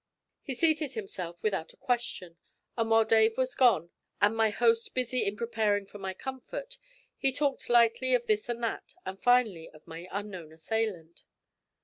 He seated himself without a question, and while Dave was gone, and my host busy in preparing for my comfort, he talked lightly of this and that, and finally of my unknown assailant.